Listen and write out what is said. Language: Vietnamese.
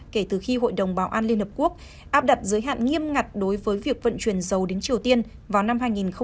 kể từ khi hội đồng bảo an liên hợp quốc áp đặt giới hạn nghiêm ngặt đối với việc vận chuyển dầu đến triều tiên vào năm hai nghìn hai mươi